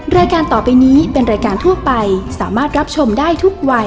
รายการต่อไปนี้เป็นรายการทั่วไปสามารถรับชมได้ทุกวัย